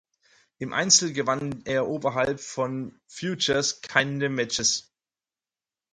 Im Einzel gewann er oberhalb von Futures keine Matches.